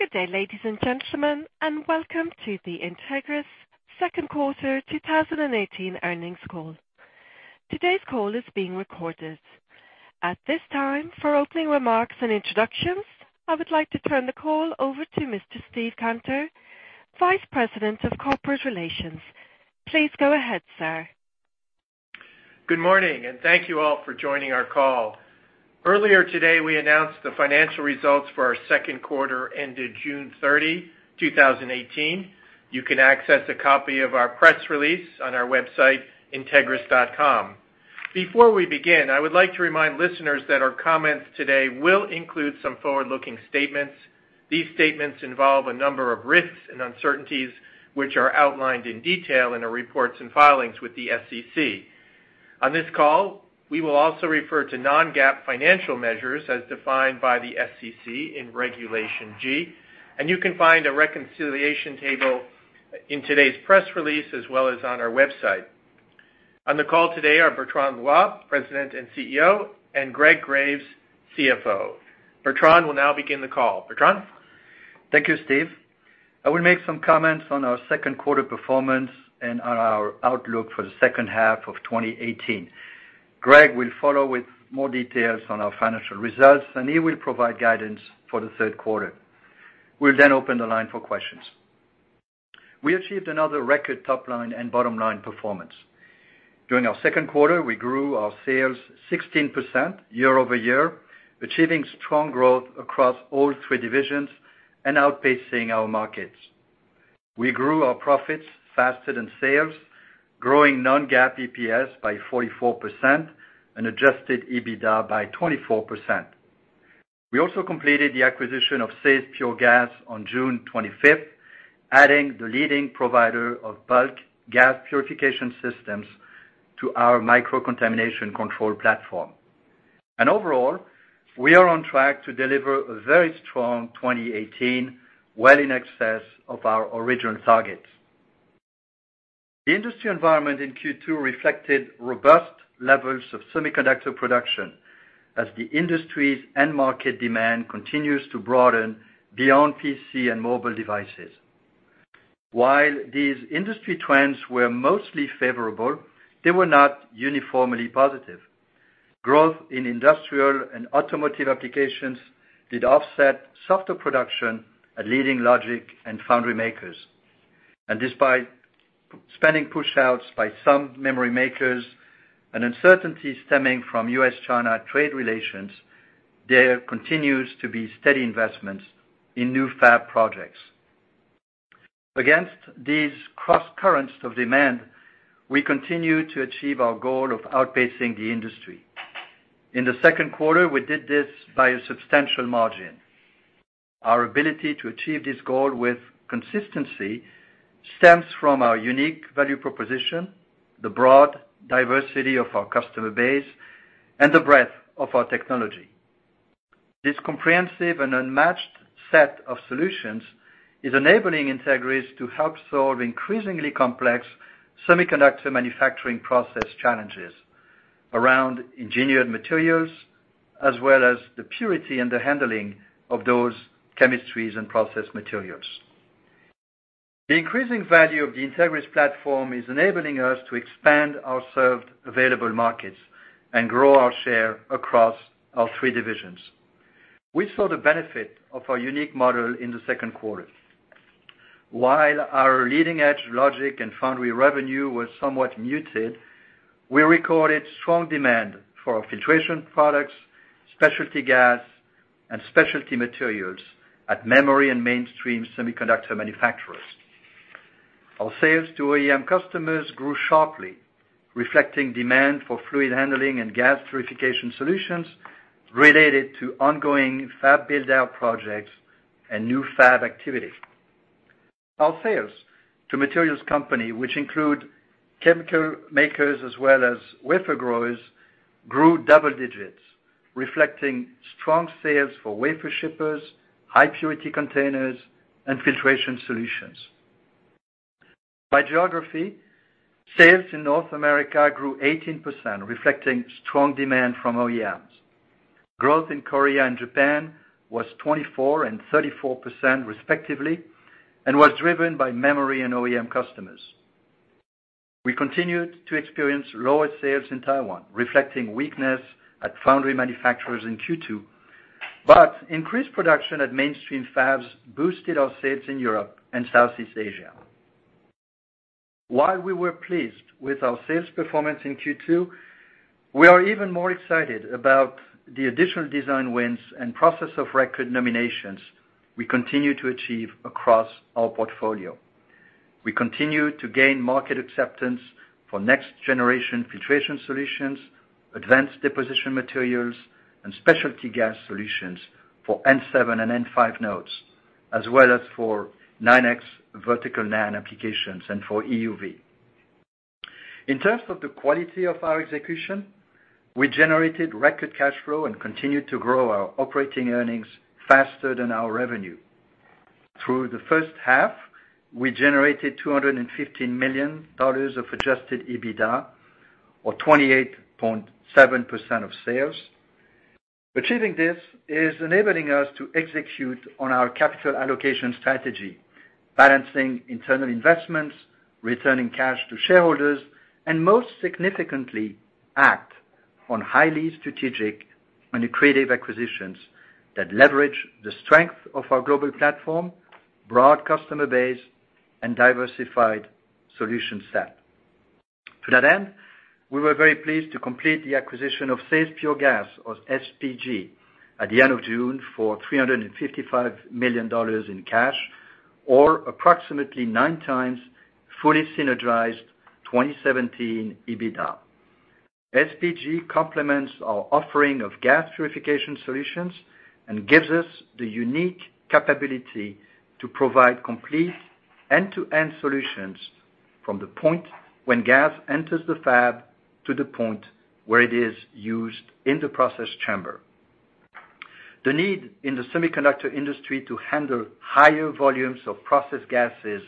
Good day, ladies and gentlemen, and welcome to the Entegris second quarter 2018 earnings call. Today's call is being recorded. At this time, for opening remarks and introductions, I would like to turn the call over to Mr. Steven Cantor, Vice President of Corporate Relations. Please go ahead, sir. Good morning. Thank you all for joining our call. Earlier today, we announced the financial results for our second quarter ended June 30, 2018. You can access a copy of our press release on our website, entegris.com. Before we begin, I would like to remind listeners that our comments today will include some forward-looking statements. These statements involve a number of risks and uncertainties, which are outlined in detail in our reports and filings with the SEC. On this call, we will also refer to non-GAAP financial measures as defined by the SEC in Regulation G. You can find a reconciliation table in today's press release, as well as on our website. On the call today are Bertrand Loy, President and CEO, and Greg Graves, CFO. Bertrand will now begin the call. Bertrand? Thank you, Steve. I will make some comments on our second quarter performance and on our outlook for the second half of 2018. Greg will follow with more details on our financial results. He will provide guidance for the third quarter. We'll then open the line for questions. We achieved another record top-line and bottom-line performance. During our second quarter, we grew our sales 16% year-over-year, achieving strong growth across all three divisions and outpacing our markets. We grew our profits faster than sales, growing non-GAAP EPS by 44% and adjusted EBITDA by 24%. We also completed the acquisition of SAES Pure Gas on June 25th, adding the leading provider of bulk gas purification systems to our Microcontamination Control platform. Overall, we are on track to deliver a very strong 2018, well in excess of our original targets. The industry environment in Q2 reflected robust levels of semiconductor production as the industry's end market demand continues to broaden beyond PC and mobile devices. While these industry trends were mostly favorable, they were not uniformly positive. Growth in industrial and automotive applications did offset softer production at leading logic and foundry makers. Despite spending pushouts by some memory makers and uncertainty stemming from U.S.-China trade relations, there continues to be steady investments in new fab projects. Against these crosscurrents of demand, we continue to achieve our goal of outpacing the industry. In the second quarter, we did this by a substantial margin. Our ability to achieve this goal with consistency stems from our unique value proposition, the broad diversity of our customer base, and the breadth of our technology. This comprehensive and unmatched set of solutions is enabling Entegris to help solve increasingly complex semiconductor manufacturing process challenges around engineered materials, as well as the purity and the handling of those chemistries and process materials. The increasing value of the Entegris platform is enabling us to expand our served available markets and grow our share across our three divisions. We saw the benefit of our unique model in the second quarter. While our leading-edge logic and foundry revenue was somewhat muted, we recorded strong demand for our filtration products, specialty gas, and specialty materials at memory and mainstream semiconductor manufacturers. Our sales to OEM customers grew sharply, reflecting demand for fluid handling and gas purification solutions related to ongoing fab build-out projects and new fab activity. Our sales to materials company, which include chemical makers as well as wafer growers, grew double digits, reflecting strong sales for wafer shippers, high-purity containers, and filtration solutions. By geography, sales in North America grew 18%, reflecting strong demand from OEMs. Growth in Korea and Japan was 24% and 34% respectively, and was driven by memory and OEM customers. We continued to experience lower sales in Taiwan, reflecting weakness at foundry manufacturers in Q2, but increased production at mainstream fabs boosted our sales in Europe and Southeast Asia. While we were pleased with our sales performance in Q2, we are even more excited about the additional design wins and process of record nominations we continue to achieve across our portfolio. We continue to gain market acceptance for next-generation filtration solutions, advanced deposition materials, and specialty gas solutions for N7 and N5 nodes, as well as for 9X vertical NAND applications and for EUV. In terms of the quality of our execution, we generated record cash flow and continued to grow our operating earnings faster than our revenue. Through the first half, we generated $215 million of adjusted EBITDA Or 28.7% of sales. Achieving this is enabling us to execute on our capital allocation strategy, balancing internal investments, returning cash to shareholders, and most significantly, act on highly strategic and accretive acquisitions that leverage the strength of our global platform, broad customer base, and diversified solution set. To that end, we were very pleased to complete the acquisition of SAES Pure Gas, or SPG, at the end of June for $355 million in cash, or approximately nine times fully synergized 2017 EBITDA. SPG complements our offering of gas purification solutions and gives us the unique capability to provide complete end-to-end solutions from the point when gas enters the fab to the point where it is used in the process chamber. The need in the semiconductor industry to handle higher volumes of process gases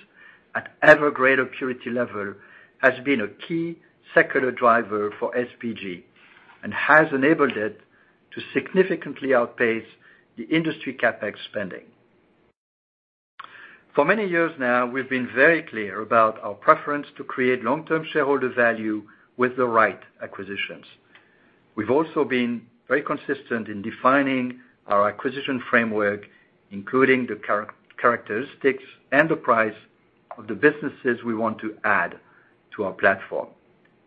at ever-greater purity level has been a key secular driver for SPG and has enabled it to significantly outpace the industry CapEx spending. For many years now, we've been very clear about our preference to create long-term shareholder value with the right acquisitions. We've also been very consistent in defining our acquisition framework, including the characteristics and the price of the businesses we want to add to our platform.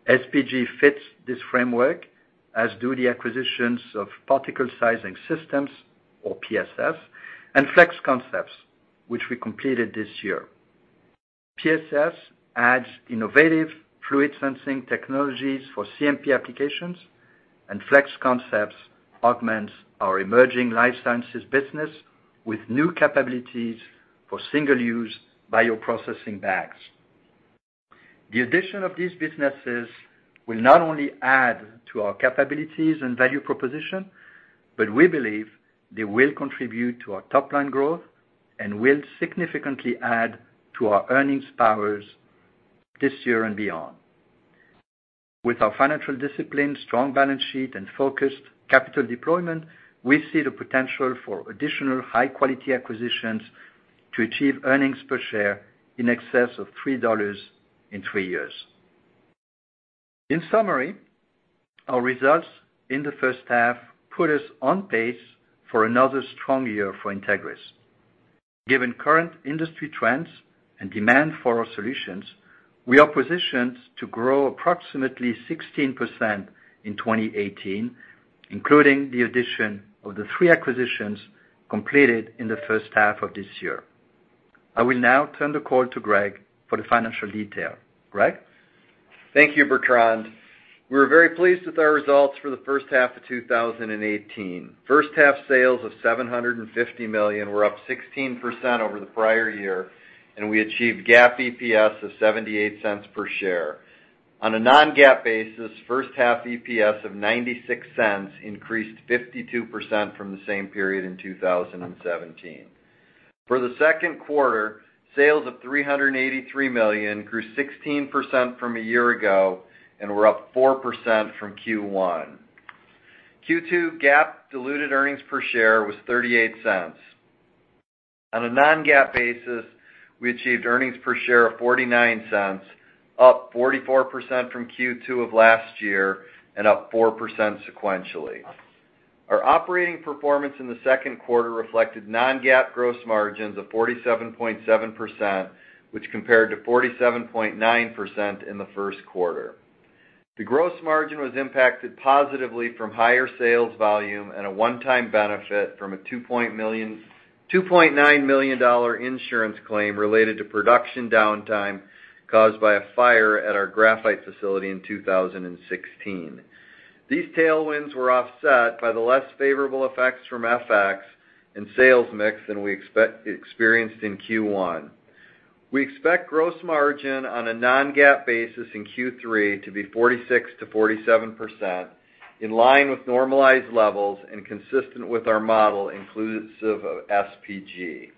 SPG fits this framework, as do the acquisitions of Particle Sizing Systems, or PSS, and Flex Concepts, which we completed this year. PSS adds innovative fluid sensing technologies for CMP applications, and Flex Concepts augments our emerging life sciences business with new capabilities for single-use bioprocessing bags. The addition of these businesses will not only add to our capabilities and value proposition, but we believe they will contribute to our top-line growth and will significantly add to our earnings powers this year and beyond. With our financial discipline, strong balance sheet, and focused capital deployment, we see the potential for additional high-quality acquisitions to achieve earnings per share in excess of $3 in three years. In summary, our results in the first half put us on pace for another strong year for Entegris. Given current industry trends and demand for our solutions, we are positioned to grow approximately 16% in 2018, including the addition of the three acquisitions completed in the first half of this year. I will now turn the call to Greg for the financial detail. Greg? Thank you, Bertrand. We're very pleased with our results for the first half of 2018. First half sales of $750 million were up 16% over the prior year, and we achieved GAAP EPS of $0.78 per share. On a non-GAAP basis, first half EPS of $0.96 increased 52% from the same period in 2017. For the second quarter, sales of $383 million grew 16% from a year ago and were up 4% from Q1. Q2 GAAP diluted earnings per share was $0.38. On a non-GAAP basis, we achieved earnings per share of $0.49, up 44% from Q2 of last year and up 4% sequentially. Our operating performance in the second quarter reflected non-GAAP gross margins of 47.7%, which compared to 47.9% in the first quarter. The gross margin was impacted positively from higher sales volume and a one-time benefit from a $2.9 million insurance claim related to production downtime caused by a fire at our graphite facility in 2016. These tailwinds were offset by the less favorable effects from FX and sales mix than we experienced in Q1. We expect gross margin on a non-GAAP basis in Q3 to be 46%-47%, in line with normalized levels and consistent with our model inclusive of SPG.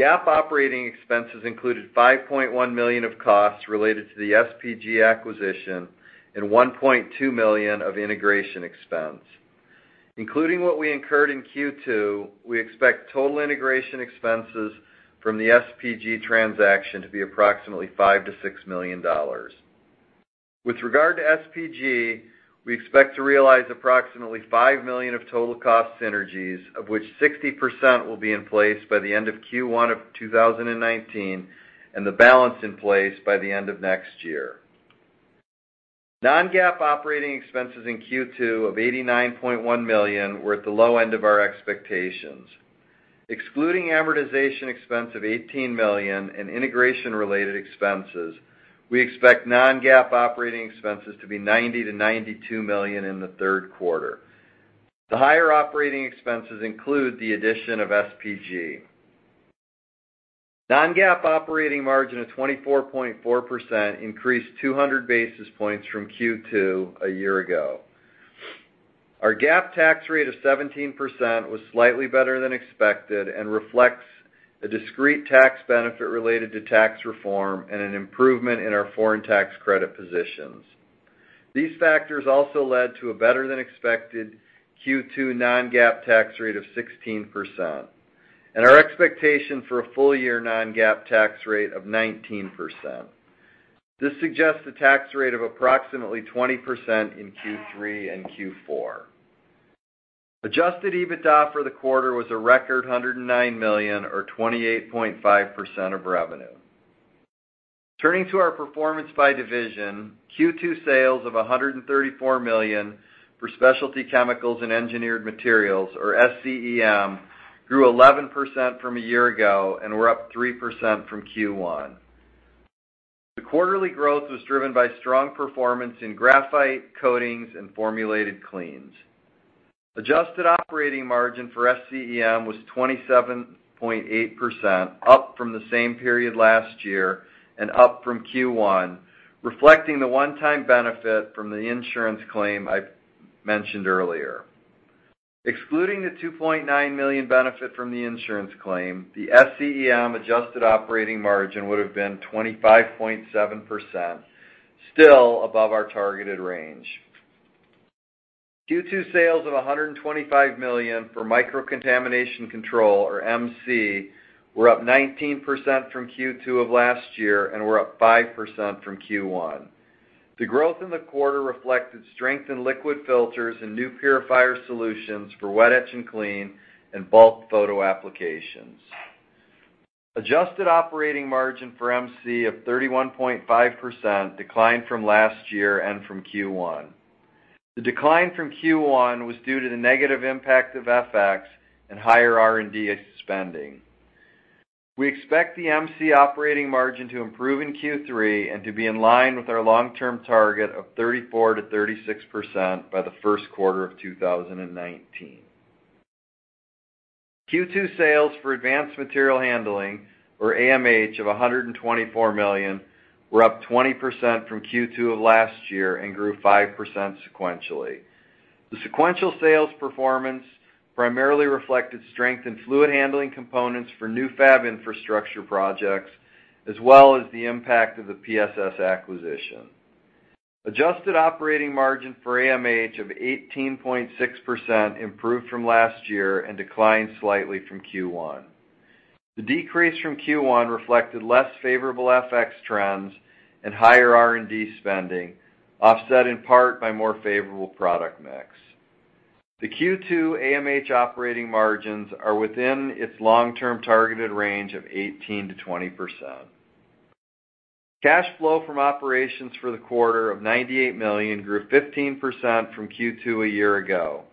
GAAP operating expenses included $5.1 million of costs related to the SPG acquisition and $1.2 million of integration expense. Including what we incurred in Q2, we expect total integration expenses from the SPG transaction to be approximately $5 million-$6 million. With regard to SPG, we expect to realize approximately $5 million of total cost synergies, of which 60% will be in place by the end of Q1 of 2019, and the balance in place by the end of next year. Non-GAAP operating expenses in Q2 of $89.1 million were at the low end of our expectations. Excluding amortization expense of $18 million and integration-related expenses, we expect non-GAAP operating expenses to be $90 million-$92 million in the third quarter. The higher operating expenses include the addition of SPG. Non-GAAP operating margin of 24.4% increased 200 basis points from Q2 a year ago. Our GAAP tax rate of 17% was slightly better than expected and reflects a discrete tax benefit related to tax reform and an improvement in our foreign tax credit positions. These factors also led to a better than expected Q2 non-GAAP tax rate of 16%, and our expectation for a full year non-GAAP tax rate of 19%. This suggests a tax rate of approximately 20% in Q3 and Q4. Adjusted EBITDA for the quarter was a record $109 million or 28.5% of revenue. Turning to our performance by division, Q2 sales of $134 million for Specialty Chemicals and Engineered Materials, or SCEM, grew 11% from a year ago and were up 3% from Q1. The quarterly growth was driven by strong performance in graphite coatings and formulated cleans. Adjusted operating margin for SCEM was 27.8%, up from the same period last year and up from Q1, reflecting the one-time benefit from the insurance claim I mentioned earlier. Excluding the $2.9 million benefit from the insurance claim, the SCEM adjusted operating margin would have been 25.7%, still above our targeted range. Q2 sales of $125 million for Microcontamination Control, or MC, were up 19% from Q2 of last year and were up 5% from Q1. The growth in the quarter reflected strength in liquid filters and new purifier solutions for wet etch and clean and bulk photo applications. Adjusted operating margin for MC of 31.5% declined from last year and from Q1. The decline from Q1 was due to the negative impact of FX and higher R&D spending. We expect the MC operating margin to improve in Q3 and to be in line with our long-term target of 34%-36% by the first quarter of 2019. Q2 sales for Advanced Materials Handling, or AMH, of $124 million were up 20% from Q2 of last year and grew 5% sequentially. The sequential sales performance primarily reflected strength in fluid handling components for new fab infrastructure projects, as well as the impact of the PSS acquisition. Adjusted operating margin for AMH of 18.6% improved from last year and declined slightly from Q1. The decrease from Q1 reflected less favorable FX trends and higher R&D spending, offset in part by more favorable product mix. The Q2 AMH operating margins are within its long-term targeted range of 18%-20%. Cash flow from operations for the quarter of $98 million grew 15% from Q2 a year ago.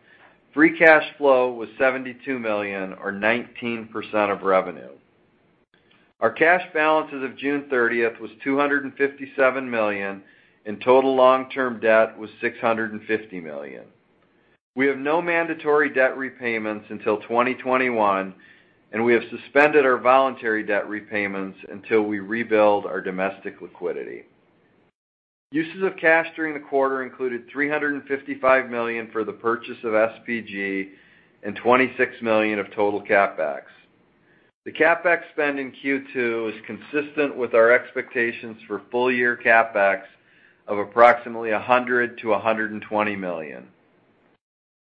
Free cash flow was $72 million or 19% of revenue. Our cash balance as of June 30th was $257 million, and total long-term debt was $650 million. We have no mandatory debt repayments until 2021, and we have suspended our voluntary debt repayments until we rebuild our domestic liquidity. Uses of cash during the quarter included $355 million for the purchase of SPG and $26 million of total CapEx. The CapEx spend in Q2 is consistent with our expectations for full-year CapEx of approximately $100 million-$120 million.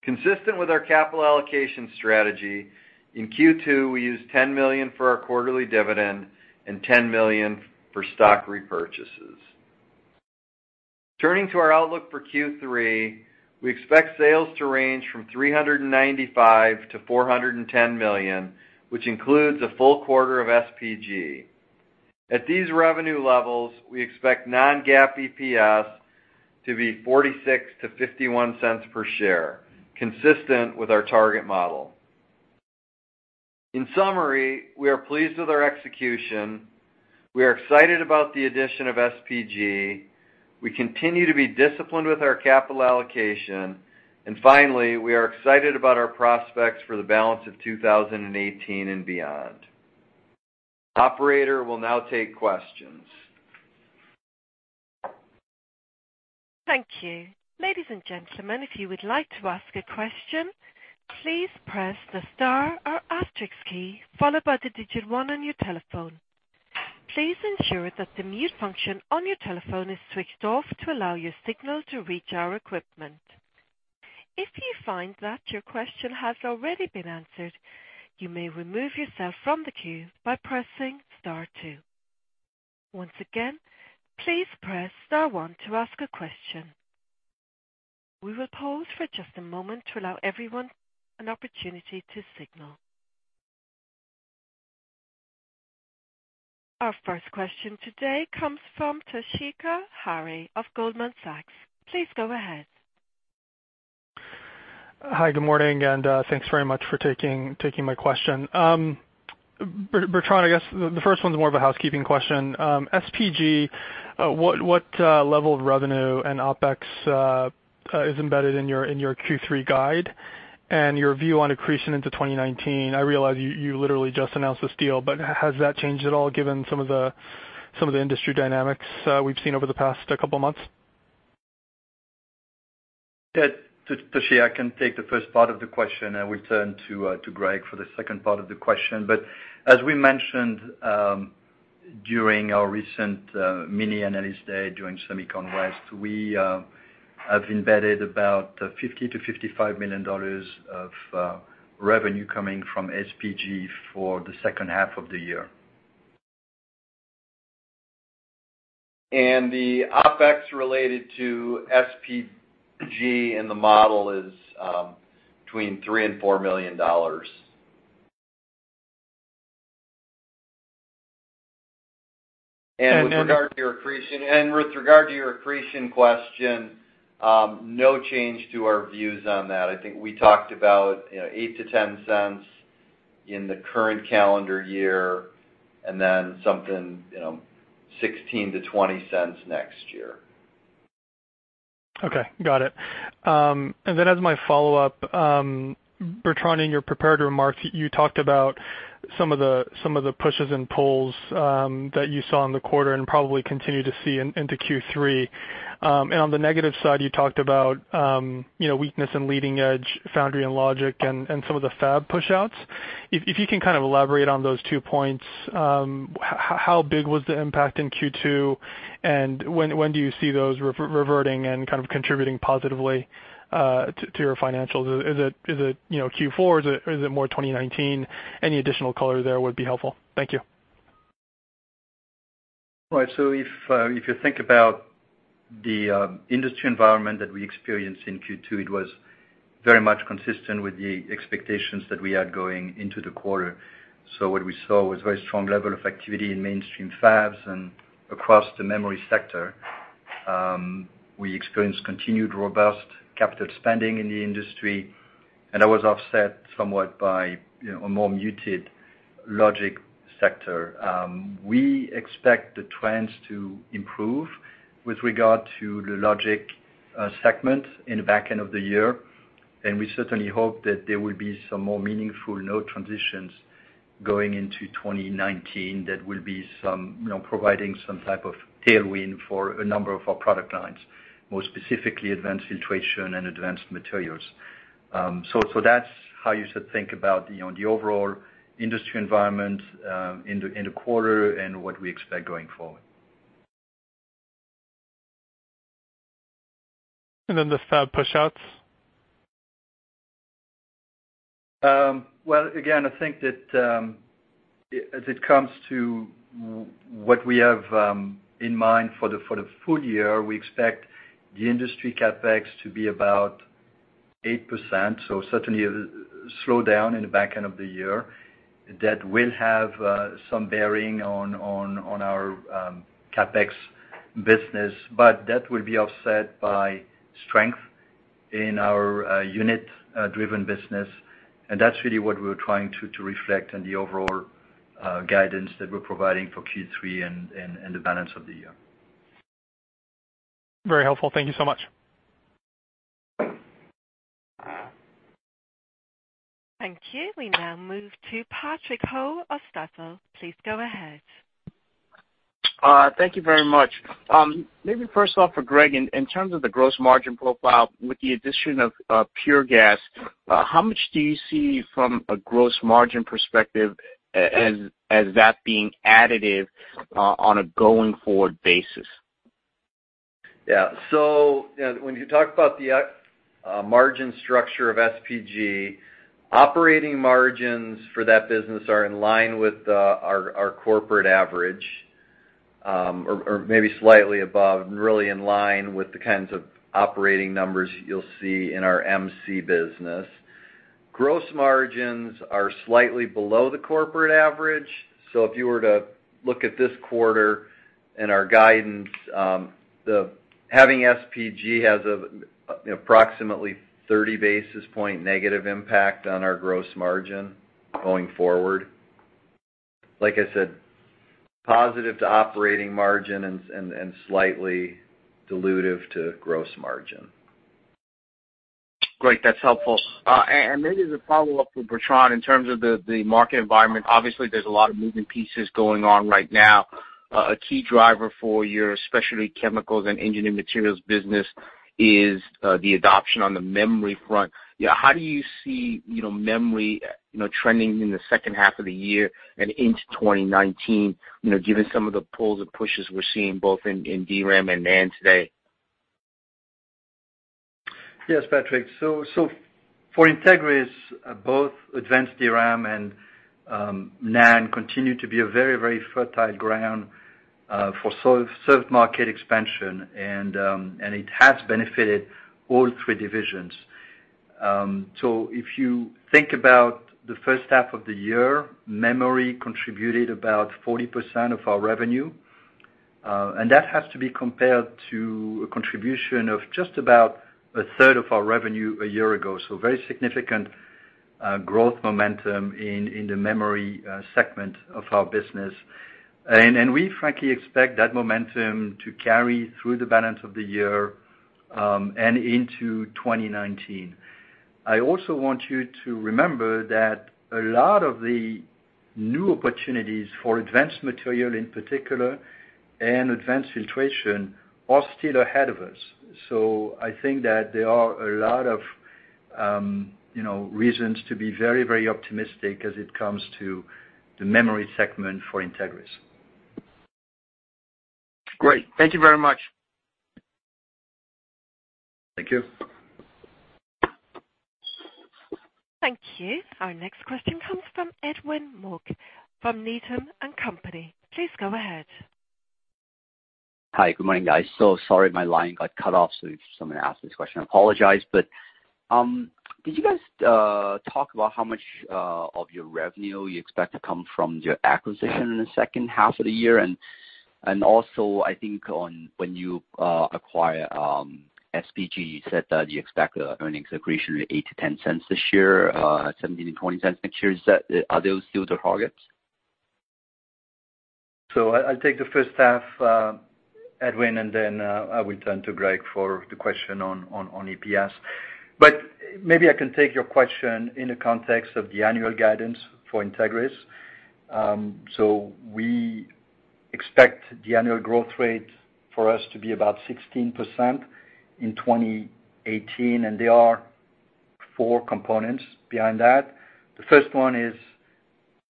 Consistent with our capital allocation strategy, in Q2, we used $10 million for our quarterly dividend and $10 million for stock repurchases. Turning to our outlook for Q3, we expect sales to range from $395 million-$410 million, which includes a full quarter of SPG. At these revenue levels, we expect non-GAAP EPS to be $0.46-$0.51 per share, consistent with our target model. In summary, we are pleased with our execution. We are excited about the addition of SPG. We continue to be disciplined with our capital allocation. Finally, we are excited about our prospects for the balance of 2018 and beyond. Operator, we'll now take questions. Thank you. Ladies and gentlemen, if you would like to ask a question, please press the star or asterisk key followed by the digit 1 on your telephone. Please ensure that the mute function on your telephone is switched off to allow your signal to reach our equipment. If you find that your question has already been answered, you may remove yourself from the queue by pressing star 2. Once again, please press star 1 to ask a question. We will pause for just a moment to allow everyone an opportunity to signal. Our first question today comes from Toshiya Hari of Goldman Sachs. Please go ahead. Hi, good morning, thanks very much for taking my question. Bertrand, I guess the first one's more of a housekeeping question. SPG, what level of revenue and OpEx is embedded in your Q3 guide? Your view on accretion into 2019. I realize you literally just announced this deal, has that changed at all given some of the industry dynamics we've seen over the past couple of months? Toshi, I can take the first part of the question, will turn to Greg for the second part of the question. As we mentioned, during our recent mini analyst day during SEMICON West, we have embedded about $50 million-$55 million of revenue coming from SPG for the second half of the year. The OpEx related to SPG in the model is between $3 million and $4 million. With regard to your accretion question, no change to our views on that. I think we talked about $0.08-$0.10 in the current calendar year and then something, $0.16-$0.20 next year. Okay, got it. As my follow-up, Bertrand, in your prepared remarks, you talked about some of the pushes and pulls that you saw in the quarter and probably continue to see into Q3. On the negative side, you talked about weakness in leading edge foundry and logic and some of the fab pushouts. If you can kind of elaborate on those two points, how big was the impact in Q2, and when do you see those reverting and kind of contributing positively to your financials? Is it Q4? Is it more 2019? Any additional color there would be helpful. Thank you. Right. If you think about the industry environment that we experienced in Q2, it was very much consistent with the expectations that we had going into the quarter. What we saw was very strong level of activity in mainstream fabs and across the memory sector. We experienced continued robust CapEx in the industry, and that was offset somewhat by a more muted logic sector. We expect the trends to improve with regard to the logic segment in the back end of the year, and we certainly hope that there will be some more meaningful node transitions going into 2019 that will be providing some type of tailwind for a number of our product lines, more specifically advanced filtration and advanced materials. That's how you should think about the overall industry environment in the quarter and what we expect going forward. The fab pushouts? Again, I think that as it comes to what we have in mind for the full year, we expect the industry CapEx to be about 8%. Certainly a slowdown in the back end of the year. That will have some bearing on our CapEx business. That will be offset by strength in our unit-driven business, and that's really what we're trying to reflect on the overall guidance that we're providing for Q3 and the balance of the year. Very helpful. Thank you so much. Thank you. We now move to Patrick Ho of Stifel. Please go ahead. Thank you very much. First off for Greg, in terms of the gross margin profile with the addition of Pure Gas, how much do you see from a gross margin perspective as that being additive on a going-forward basis? When you talk about the margin structure of SPG, operating margins for that business are in line with our corporate average, or maybe slightly above, really in line with the kinds of operating numbers you will see in our MC business. Gross margins are slightly below the corporate average, so if you were to look at this quarter and our guidance, having SPG has approximately 30 basis point negative impact on our gross margin going forward. Like I said, positive to operating margin and slightly dilutive to gross margin. Great. That's helpful. Maybe as a follow-up for Bertrand, in terms of the market environment, obviously there's a lot of moving pieces going on right now. A key driver for your Specialty Chemicals and Engineered Materials business is the adoption on the memory front. How do you see memory trending in the second half of the year and into 2019, given some of the pulls and pushes we're seeing both in DRAM and NAND today? Yes, Patrick. For Entegris, both advanced DRAM and NAND continue to be a very fertile ground for served market expansion, and it has benefited all three divisions. If you think about the first half of the year, memory contributed about 40% of our revenue. That has to be compared to a contribution of just about a third of our revenue a year ago, very significant growth momentum in the memory segment of our business. We frankly expect that momentum to carry through the balance of the year, and into 2019. I also want you to remember that a lot of the new opportunities for advanced material in particular, and advanced filtration are still ahead of us. I think that there are a lot of reasons to be very, very optimistic as it comes to the memory segment for Entegris. Great. Thank you very much. Thank you. Thank you. Our next question comes from Edwin Mok from Needham & Company. Please go ahead. Hi, good morning, guys. Sorry, my line got cut off, so if someone asked this question, I apologize. Did you guys talk about how much of your revenue you expect to come from your acquisition in the second half of the year? And also, I think when you acquire SPG, you said that you expect the earnings accretion $0.08-$0.10 this year, $0.17-$0.20 next year. Are those still the targets? I'll take the first half, Edwin, and then I will turn to Greg for the question on EPS. Maybe I can take your question in the context of the annual guidance for Entegris. We expect the annual growth rate for us to be about 16% in 2018, and there are four components behind that. The first one is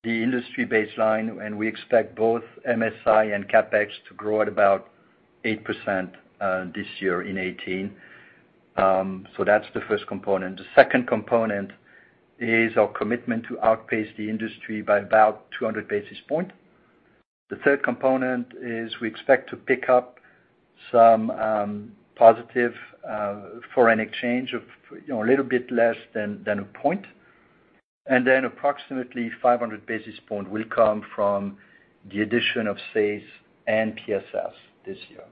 the industry baseline, and we expect both MSI and CapEx to grow at about 8% this year in 2018. That's the first component. The second component is our commitment to outpace the industry by about 200 basis points. The third component is we expect to pick up some positive foreign exchange of a little bit less than a point. And then approximately 500 basis points will come from the addition of SAES and PSS this year.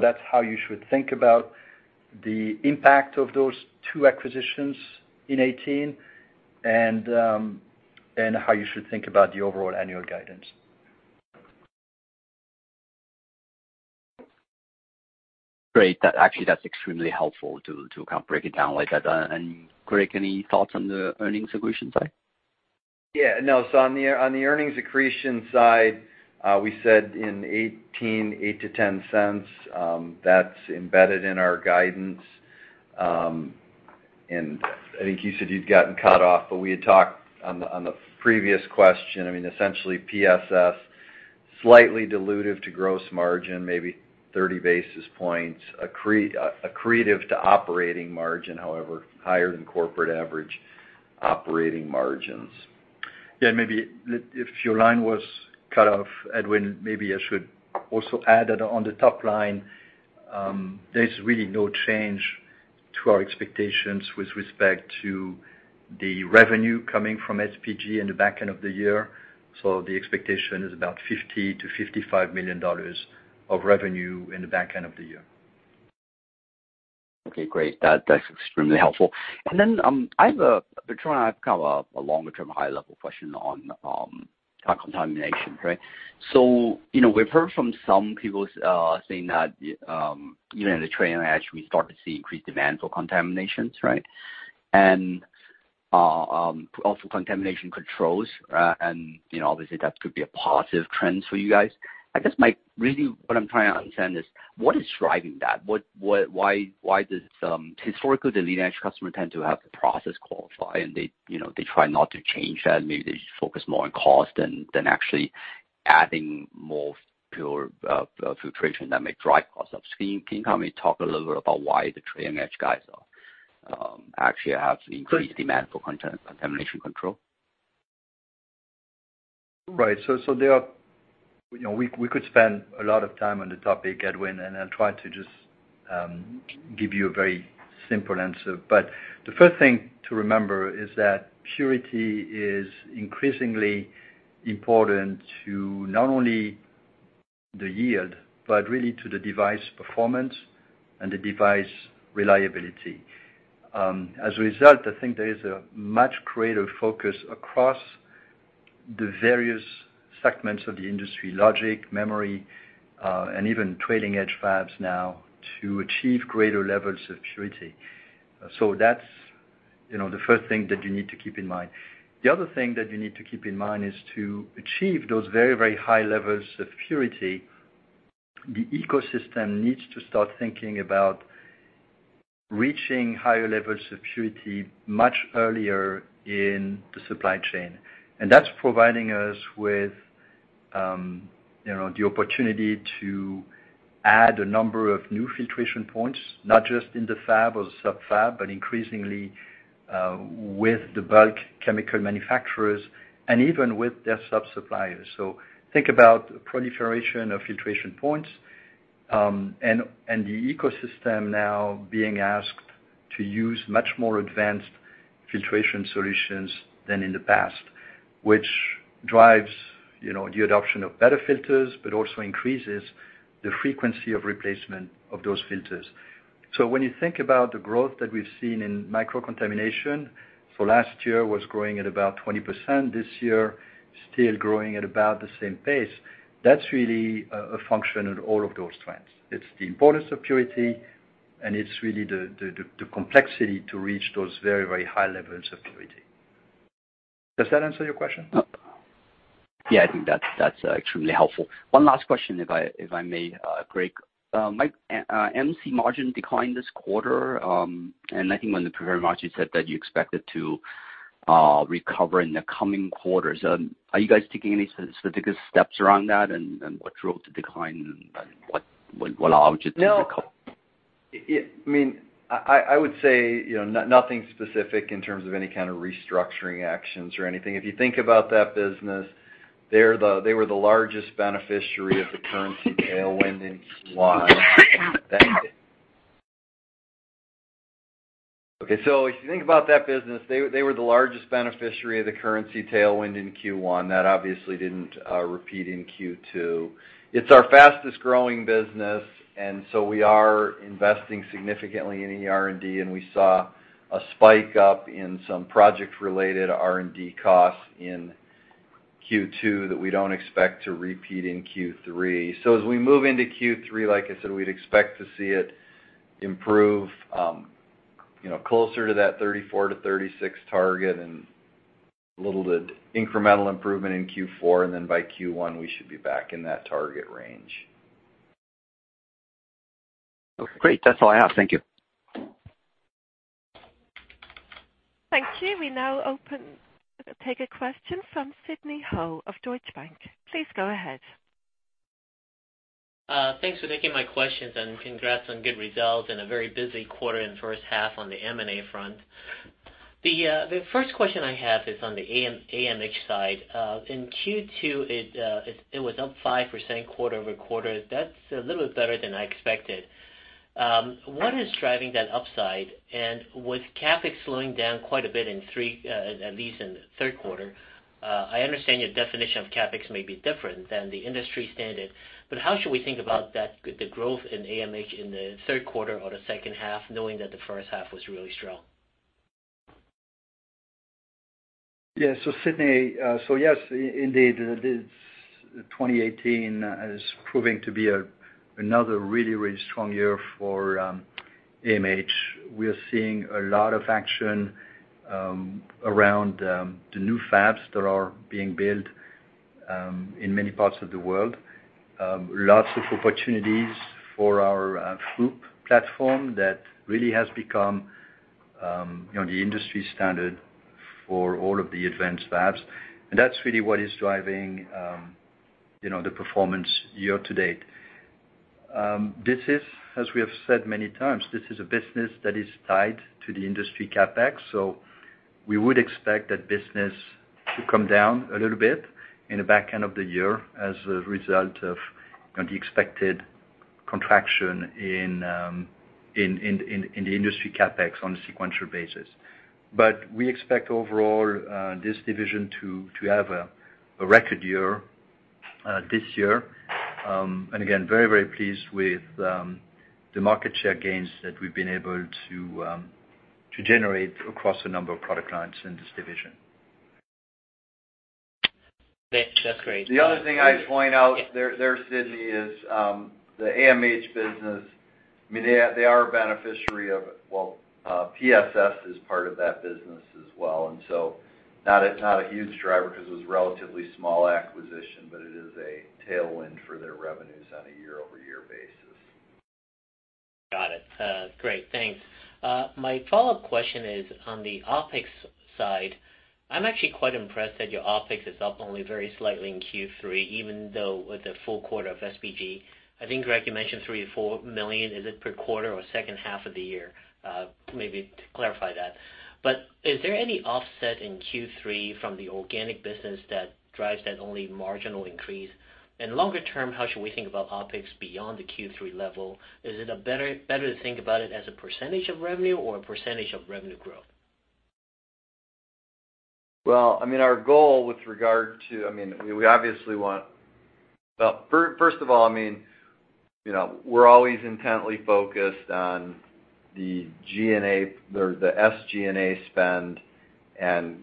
That's how you should think about the impact of those two acquisitions in 2018 and how you should think about the overall annual guidance. Great. Actually, that's extremely helpful to kind of break it down like that. Greg, any thoughts on the earnings accretion side? Yeah, no. On the earnings accretion side, we said in 2018, $0.08-$0.10. That's embedded in our guidance. I think you said you'd gotten cut off, but we had talked on the previous question, essentially PSS, slightly dilutive to gross margin, maybe 30 basis points. Accretive to operating margin, however, higher than corporate average operating margins. Yeah, maybe if your line was cut off, Edwin, maybe I should also add that on the top line, there's really no change to our expectations with respect to the revenue coming from SPG in the back end of the year. The expectation is about $50 million-$55 million of revenue in the back end of the year. That's extremely helpful. I have a longer-term, high-level question on contamination. We've heard from some people saying that even in the trailing edge, we start to see increased demand for contaminations. Contamination controls, and obviously, that could be a positive trend for you guys. I guess really what I'm trying to understand is what is driving that? Historically, the leading edge customer tends to have the process qualified, and they try not to change that. Maybe they focus more on cost than actually adding more pure filtration that might drive costs up. Can you kindly talk a little bit about why the trailing edge guys actually have increased demand for contamination control? Right. We could spend a lot of time on the topic, Edwin. I'll try to just give you a very simple answer. The first thing to remember is that purity is increasingly important to not only the yield, but really to the device performance and the device reliability. As a result, I think there is a much greater focus across the various segments of the industry, logic, memory, and even trailing edge fabs now to achieve greater levels of purity. That's the first thing that you need to keep in mind. The other thing that you need to keep in mind is to achieve those very high levels of purity, the ecosystem needs to start thinking about reaching higher levels of purity much earlier in the supply chain. That's providing us with the opportunity to add a number of new filtration points, not just in the fab or sub-fab, but increasingly, with the bulk chemical manufacturers and even with their sub-suppliers. Think about proliferation of filtration points, and the ecosystem now being asked to use much more advanced filtration solutions than in the past. Which drives the adoption of better filters, but also increases the frequency of replacement of those filters. When you think about the growth that we've seen in micro-contamination, last year was growing at about 20%. This year, still growing at about the same pace. That's really a function of all of those trends. It's the importance of purity, and it's really the complexity to reach those very high levels of purity. Does that answer your question? Yeah, I think that's extremely helpful. One last question, if I may, Greg. MC margin declined this quarter. I think on the prior margin slide you said that you expect it to recover in the coming quarters. Are you guys taking any specific steps around that, what drove the decline, and what objectives to- No. I would say nothing specific in terms of any kind of restructuring actions or anything. If you think about that business, they were the largest beneficiary of the currency tailwind in Q1. That obviously didn't repeat in Q2. It's our fastest-growing business, we are investing significantly in R&D, and we saw a spike up in some project-related R&D costs in Q2 that we don't expect to repeat in Q3. As we move into Q3, like I said, we'd expect to see it improve closer to that 34-36 target and a little bit incremental improvement in Q4, and then by Q1, we should be back in that target range. Okay, great. That's all I have. Thank you. Thank you. We now take a question from Sidney Ho of Deutsche Bank. Please go ahead. Thanks for taking my questions, congrats on good results in a very busy quarter and first half on the M&A front. The first question I have is on the AMH side. In Q2, it was up 5% quarter-over-quarter. That's a little better than I expected. What is driving that upside? With CapEx slowing down quite a bit, at least in the third quarter, I understand your definition of CapEx may be different than the industry standard, but how should we think about the growth in AMH in the third quarter or the second half, knowing that the first half was really strong? Yes. Sidney, yes, indeed, 2018 is proving to be another really strong year for AMH. We are seeing a lot of action around the new fabs that are being built in many parts of the world. Lots of opportunities for our FOUP platform. That really has become the industry standard for all of the advanced fabs, and that's really what is driving the performance year to date. As we have said many times, this is a business that is tied to the industry CapEx, we would expect that business to come down a little bit in the back end of the year as a result of the expected contraction in the industry CapEx on a sequential basis. We expect overall, this division to have a record year this year. Again, very pleased with the market share gains that we've been able to generate across a number of product lines in this division. That's great. The other thing I'd point out there, Sidney, is the AMH business, they are a beneficiary of-- Well, PSS is part of that business as well, and so not a huge driver because it was a relatively small acquisition, but it is a tailwind for their revenues on a year-over-year basis. Got it. Great, thanks. My follow-up question is on the OpEx side. I'm actually quite impressed that your OpEx is up only very slightly in Q3, even though with a full quarter of SBG. I think, Greg, you mentioned $3 or $4 million, is it per quarter or second half of the year? Maybe clarify that. Is there any offset in Q3 from the organic business that drives that only marginal increase? Longer term, how should we think about OpEx beyond the Q3 level? Is it better to think about it as a percentage of revenue or a percentage of revenue growth? Well, first of all, we're always intently focused on the SG&A spend and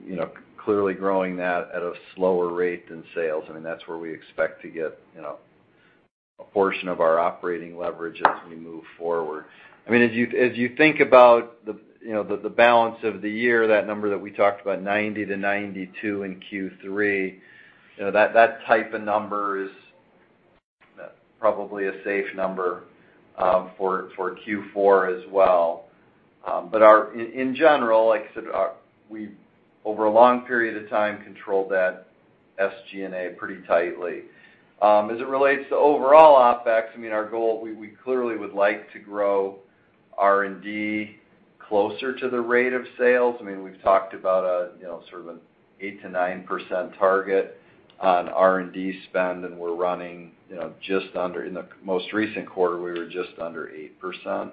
clearly growing that at a slower rate than sales. That's where we expect to get a portion of our operating leverage as we move forward. As you think about the balance of the year, that number that we talked about, 90 to 92 in Q3, that type of number is probably a safe number for Q4 as well. In general, like I said, we, over a long period of time, control that SG&A pretty tightly. As it relates to overall OpEx, our goal, we clearly would like to grow R&D closer to the rate of sales. We've talked about sort of an 8%-9% target on R&D spend, and we're running just under, in the most recent quarter, we were just under 8%.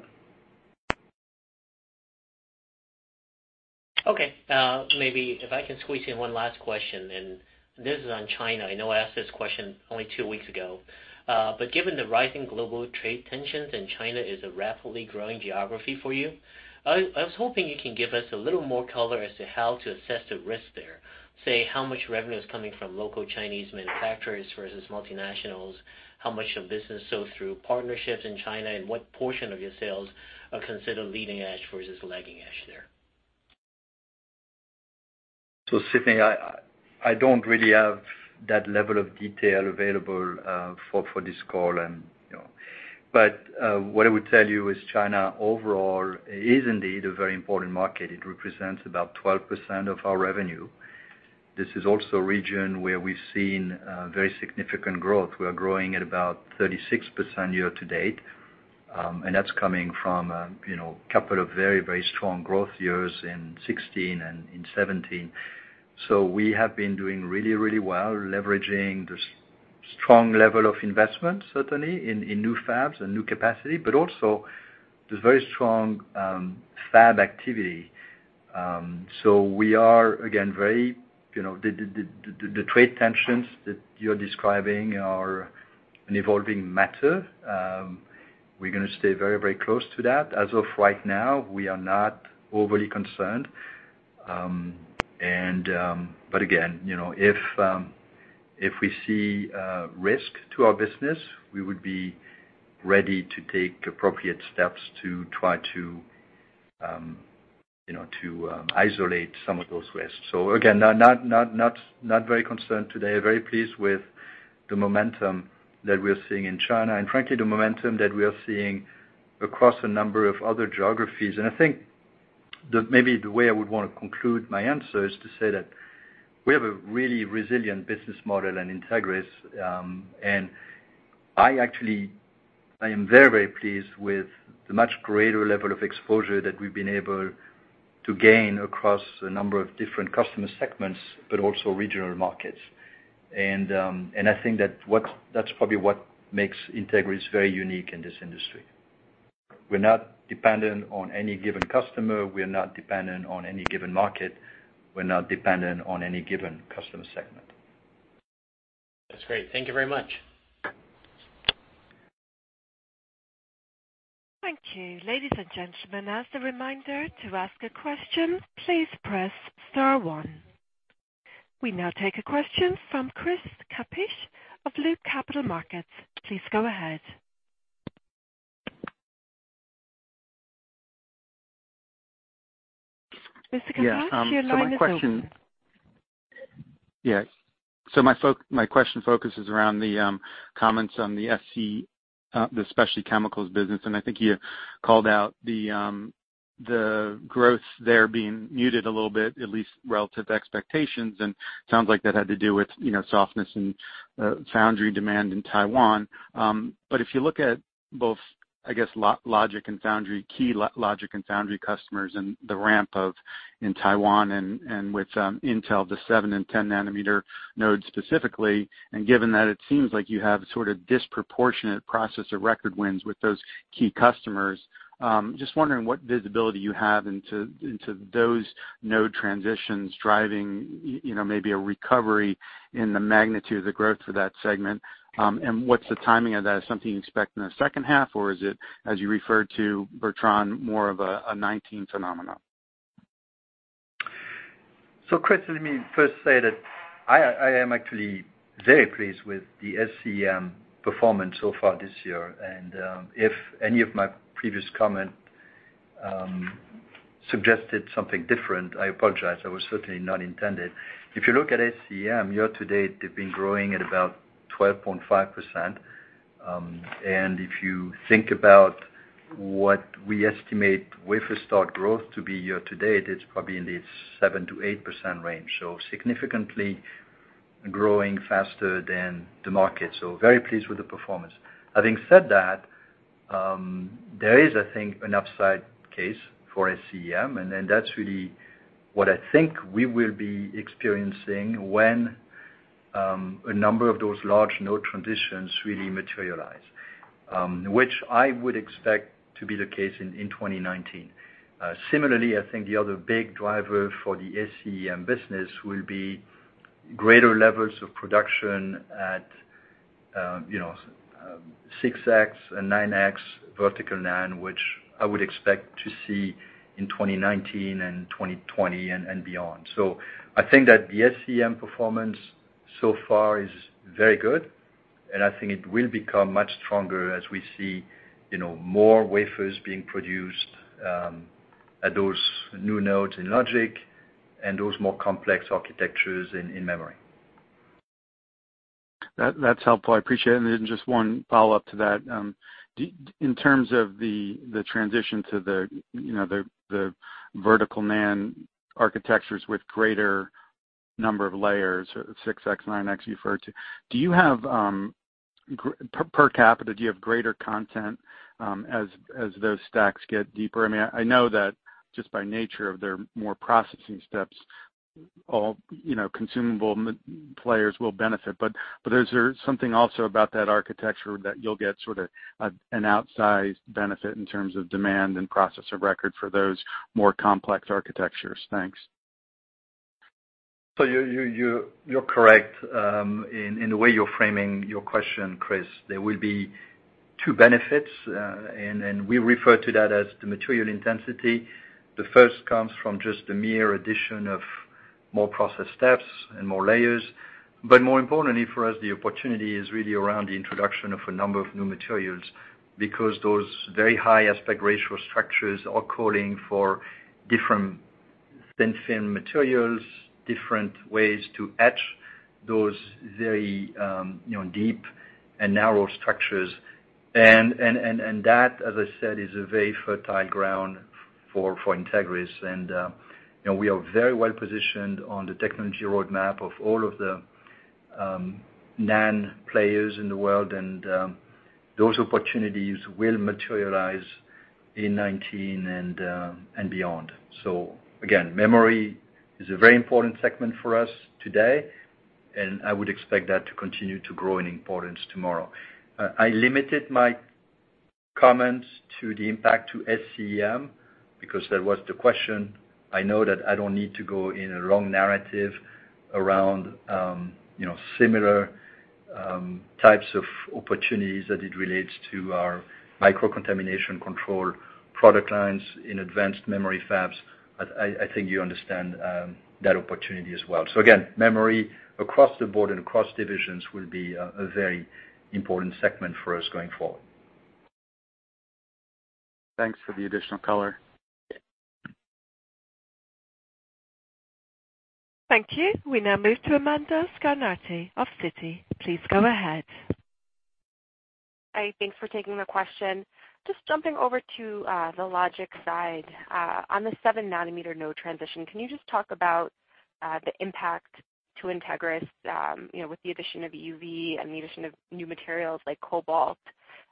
Okay. Maybe if I can squeeze in one last question, this is on China. I know I asked this question only two weeks ago. Given the rising global trade tensions, and China is a rapidly growing geography for you, I was hoping you can give us a little more color as to how to assess the risk there. Say, how much revenue is coming from local Chinese manufacturers versus multinationals, how much of business sold through partnerships in China, and what portion of your sales are considered leading edge versus lagging edge there? Sidney, I don't really have that level of detail available for this call. What I would tell you is China overall is indeed a very important market. It represents about 12% of our revenue. This is also a region where we've seen very significant growth. We are growing at about 36% year-to-date, that's coming from a couple of very strong growth years in 2016 and in 2017. We have been doing really well leveraging the strong level of investment, certainly in new fabs and new capacity, but also the very strong fab activity. We are, again, the trade tensions that you're describing are an evolving matter. We're going to stay very close to that. As of right now, we are not overly concerned. Again, if we see risk to our business, we would be ready to take appropriate steps to try to isolate some of those risks. Again, not very concerned today. Very pleased with the momentum that we're seeing in China and frankly, the momentum that we are seeing across a number of other geographies. I think that maybe the way I would want to conclude my answer is to say that we have a really resilient business model in Entegris. I actually am very pleased with the much greater level of exposure that we've been able to gain across a number of different customer segments, but also regional markets. I think that's probably what makes Entegris very unique in this industry. We're not dependent on any given customer, we're not dependent on any given market, we're not dependent on any given customer segment. That's great. Thank you very much. Thank you. Ladies and gentlemen, as a reminder, to ask a question, please press star one. We now take a question from Chris [Parkinson] of Loupe Capital Markets. Please go ahead. Mr. Parkinson, your line is open. My question focuses around the comments on the Specialty Chemicals business, I think you called out the growth there being muted a little bit, at least relative to expectations, and sounds like that had to do with softness in foundry demand in Taiwan. If you look at both, I guess, logic and foundry, key logic and foundry customers and the ramp in Taiwan and with Intel, the 7 and 10 nanometer nodes specifically, and given that it seems like you have sort of disproportionate processor record wins with those key customers, just wondering what visibility you have into those node transitions driving maybe a recovery in the magnitude of the growth for that segment. What's the timing of that? Is it something you expect in the second half, or is it, as you referred to, Bertrand, more of a 2019 phenomenon? Chris, let me first say that I am actually very pleased with the SCEM performance so far this year. If any of my previous comment suggested something different, I apologize. That was certainly not intended. If you look at SCEM, year to date, they've been growing at about 12.5%. If you think about what we estimate wafer start growth to be year to date, it's probably in the 7%-8% range. Significantly growing faster than the market. Very pleased with the performance. Having said that, there is, I think, an upside case for SCEM, and that's really what I think we will be experiencing when a number of those large node transitions really materialize, which I would expect to be the case in 2019. Similarly, I think the other big driver for the SCEM business will be greater levels of production at 6X and 9X vertical NAND, which I would expect to see in 2019 and 2020 and beyond. I think that the SCEM performance so far is very good, and I think it will become much stronger as we see more wafers being produced at those new nodes in Logic and those more complex architectures in memory. That's helpful. I appreciate it. Just one follow-up to that. In terms of the transition to the vertical NAND architectures with greater number of layers, 6X, 9X you referred to, per capita, do you have greater content as those stacks get deeper? I know that just by nature of their more processing steps, all consumable players will benefit, but is there something also about that architecture that you'll get sort of an outsized benefit in terms of demand and processor record for those more complex architectures? Thanks. You're correct in the way you're framing your question, Chris. There will be two benefits, and we refer to that as the material intensity. The first comes from just the mere addition of more process steps and more layers. More importantly for us, the opportunity is really around the introduction of a number of new materials, because those very high aspect ratio structures are calling for different thin film materials, different ways to etch those very deep and narrow structures. That, as I said, is a very fertile ground for Entegris. We are very well positioned on the technology roadmap of all of the NAND players in the world, and those opportunities will materialize in 2019 and beyond. Again, memory is a very important segment for us today, and I would expect that to continue to grow in importance tomorrow. I limited my comments to the impact to SCEM because that was the question. I know that I don't need to go in a long narrative around similar types of opportunities as it relates to our Microcontamination Control product lines in advanced memory fabs. I think you understand that opportunity as well. Again, memory across the board and across divisions will be a very important segment for us going forward. Thanks for the additional color. Thank you. We now move to Amanda Scarnati of Citi. Please go ahead. Hi, thanks for taking the question. Just jumping over to the logic side. On the 7 nanometer node transition, can you just talk about the impact to Entegris with the addition of EUV and the addition of new materials like cobalt,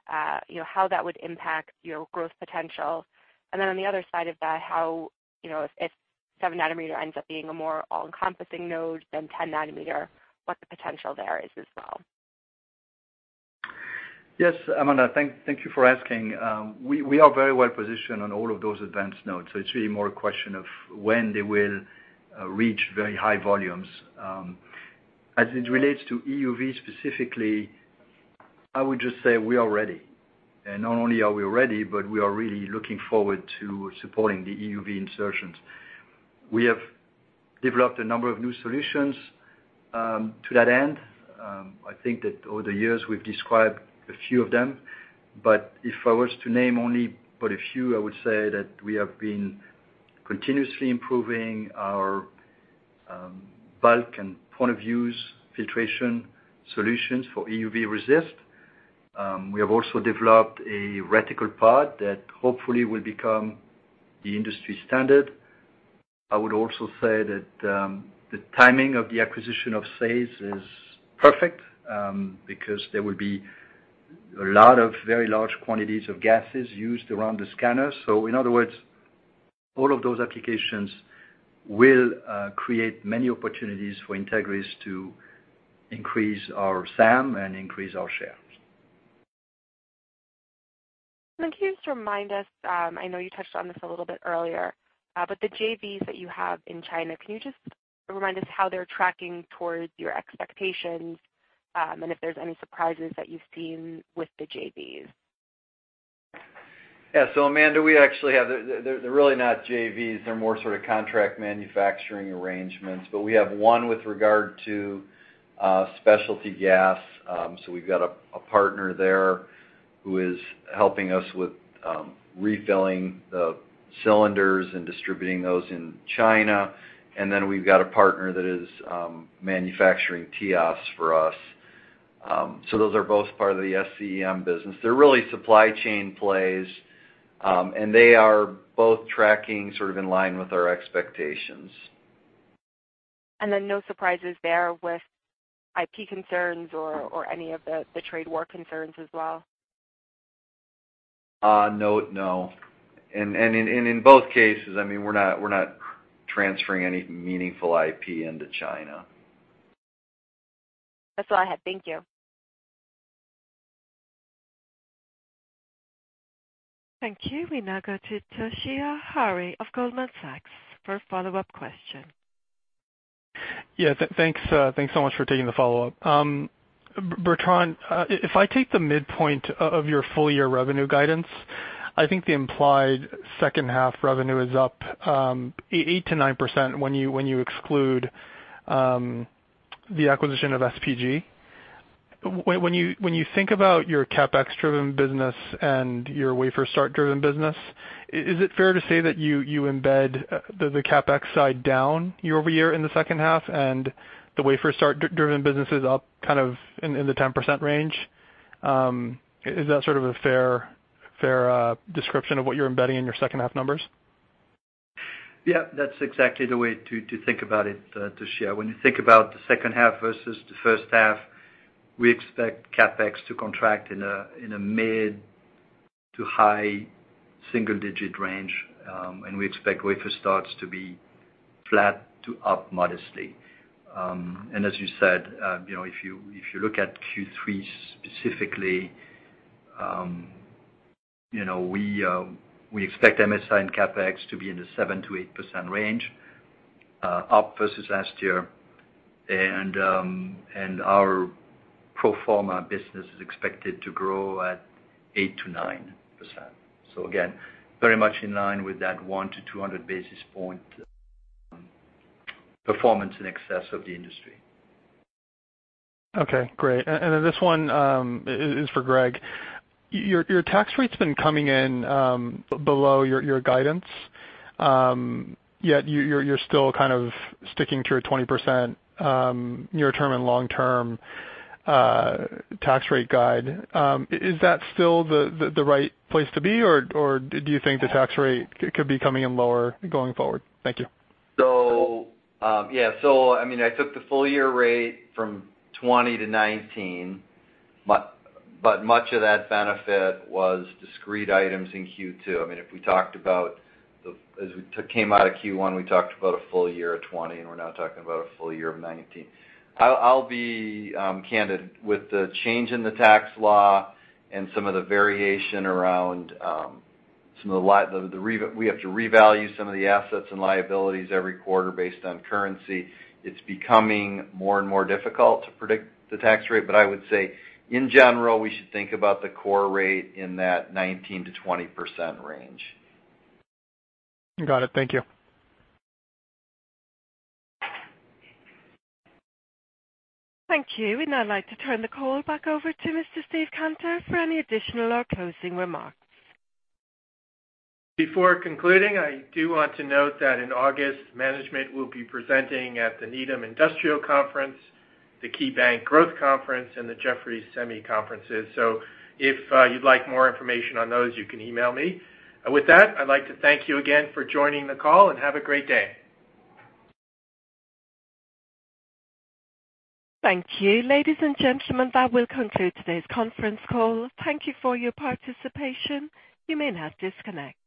how that would impact your growth potential? Then on the other side of that, how, if 7 nanometer ends up being a more all-encompassing node than 10 nanometer, what the potential there is as well. Yes, Amanda, thank you for asking. We are very well positioned on all of those advanced nodes, it's really more a question of when they will reach very high volumes. As it relates to EUV specifically, I would just say we are ready. Not only are we ready, but we are really looking forward to supporting the EUV insertions. We have developed a number of new solutions to that end. I think that over the years, we've described a few of them. If I was to name only but a few, I would say that we have been continuously improving our bulk and point of use filtration solutions for EUV resist. We have also developed a reticle pod that hopefully will become the industry standard. I would also say that the timing of the acquisition of SAES is perfect, because there will be a lot of very large quantities of gases used around the scanner. In other words, all of those applications will create many opportunities for Entegris to increase our SAM and increase our shares. Can you just remind us, I know you touched on this a little bit earlier, but the JVs that you have in China, can you just remind us how they're tracking towards your expectations, and if there's any surprises that you've seen with the JVs? Yeah. Amanda, we actually have, they're really not JVs, they're more sort of contract manufacturing arrangements. We have one with regard to specialty gas. We've got a partner there who is helping us with refilling the cylinders and distributing those in China. Then we've got a partner that is manufacturing TEOS for us. Those are both part of the SCEM business. They're really supply chain plays, and they are both tracking sort of in line with our expectations. No surprises there with IP concerns or any of the trade war concerns as well? No. In both cases, we're not transferring any meaningful IP into China. That's all I had. Thank you. Thank you. We now go to Toshiya Hari of Goldman Sachs for a follow-up question. Thanks so much for taking the follow-up. Bertrand, if I take the midpoint of your full year revenue guidance, I think the implied second half revenue is up 8%-9% when you exclude the acquisition of SPG. When you think about your CapEx-driven business and your wafer start-driven business, is it fair to say that you embed the CapEx side down year-over-year in the second half, and the wafer start-driven business is up kind of in the 10% range? Is that sort of a fair description of what you're embedding in your second half numbers? That's exactly the way to think about it, Toshiya. When you think about the second half versus the first half, we expect CapEx to contract in a mid to high single-digit range, and we expect wafer starts to be flat to up modestly. As you said, if you look at Q3 specifically- We expect MSI and CapEx to be in the 7%-8% range up versus last year. Our pro forma business is expected to grow at 8%-9%. Again, very much in line with that 1 to 200 basis point performance in excess of the industry. Okay, great. Then this one is for Greg. Your tax rate's been coming in below your guidance, yet you're still kind of sticking to your 20% near term and long term tax rate guide. Is that still the right place to be, or do you think the tax rate could be coming in lower going forward? Thank you. I took the full year rate from 2020 to 2019, much of that benefit was discrete items in Q2. If we talked about as we came out of Q1, we talked about a full year of 2020, and we're now talking about a full year of 2019. I'll be candid. With the change in the tax law and some of the variation around some of the assets and liabilities every quarter based on currency. It's becoming more and more difficult to predict the tax rate. I would say, in general, we should think about the core rate in that 19%-20% range. Got it. Thank you. Thank you. We'd now like to turn the call back over to Mr. Steven Cantor for any additional or closing remarks. Before concluding, I do want to note that in August, management will be presenting at the Needham Industrial Tech Conference, the KeyBanc Growth Conference, and the Jefferies Semi conferences. If you'd like more information on those, you can email me. With that, I'd like to thank you again for joining the call, have a great day. Thank you. Ladies and gentlemen, that will conclude today's conference call. Thank you for your participation. You may now disconnect.